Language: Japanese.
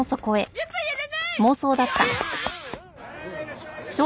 やっぱやらない！